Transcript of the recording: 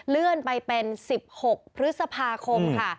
เลื่อนไปเป็น๑๖พฤษภาคมค่ะ